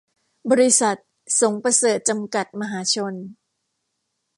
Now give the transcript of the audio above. บริษัท สงประเสริฐ จำกัด มหาชน